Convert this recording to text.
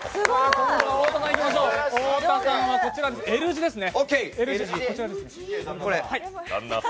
太田さんはＬ字ですね。